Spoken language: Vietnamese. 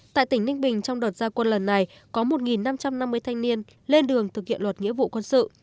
tại tỉnh ninh bình trong đợt gia quân lần này có một năm trăm năm mươi thanh niên lên đường thực hiện luật nghĩa vụ quân sự